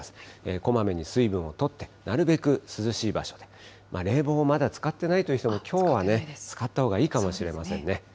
こまめに水分をとって、なるべく涼しい場所で、冷房をまだ使ってないという人も、きょうはね、使ったほうがいいかもしれませんね。